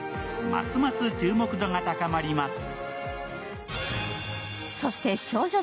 ますます注目度が高まります。